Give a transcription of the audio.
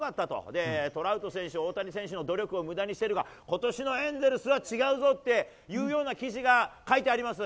で、トラウト選手、大谷選手の努力をむだにしているが、ことしのエンゼルスは違うぞっていうような記事が書いてあります。